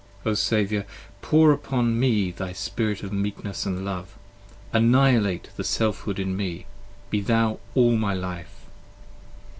O Saviour pour upon me thy Spirit of meekness & love: Annihilate the Selfhood in me, be thou all my life!